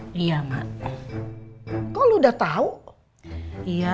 eh ternyata calonnya si selfie itu udah tua